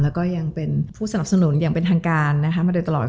แล้วก็ยังเป็นผู้สนับสนุนอย่างเป็นทางการนะคะมาโดยตลอด